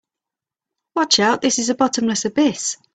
Watch out, this is a bottomless abyss!